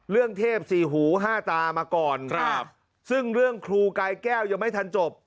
เรื่องเทพสี่หูห้าตามาก่อนครับซึ่งเรื่องครูกายแก้วยังไม่ทันจบ